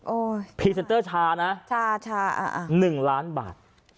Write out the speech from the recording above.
โอ้ยพรีเซนเตอร์ชานะชาชาฤอีกล้านบาท